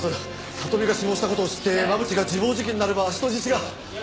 聡美が死亡した事を知って真渕が自暴自棄になれば人質が。